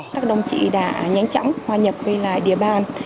các đồng chí đã nhanh chóng hòa nhập về lại địa bàn